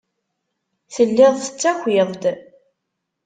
Telliḍ tettakiḍ-d.